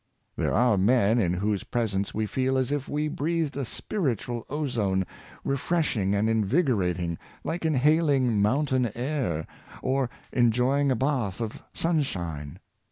'' There are men in whose presence we feel as if we breathed a spiritual ozone, refreshing and invigorating, like inhaling mountain air, or enjoying a bath of sun shine.